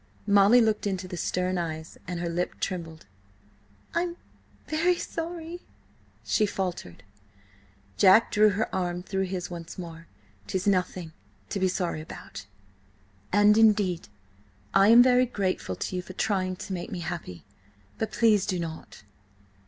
Molly looked into the stern eyes, and her lip trembled. "I'm very–sorry!" she faltered. Jack drew her arm through his once more. "'Tis nothing to be sorry about; and, indeed, I am very grateful to you for trying to make me happy. But please do not!"